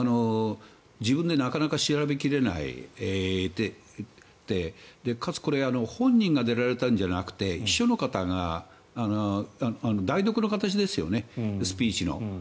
自分でなかなか調べきれないでかつ、これ本人が出られたんじゃなくて秘書の方が代読の形ですよねスピーチの。